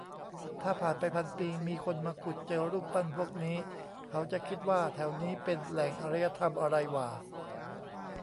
ถ้าผ่านไปพันปี มีคนมาขุดเจอรูปปั้นพวกนี้ เขาจะคิดว่าแถวนี้เป็นแหล่งอารยธรรมอะไรหว่า ?